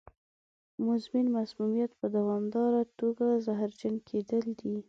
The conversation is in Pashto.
مزمن مسمومیت په دوامداره توګه زهرجن کېدل دي.